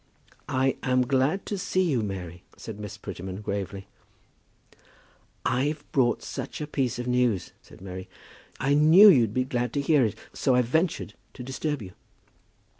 "I am glad to see you, Mary," said Miss Prettyman, gravely. "I've brought such a piece of news," said Mary. "I knew you'd be glad to hear it, so I ventured to disturb you."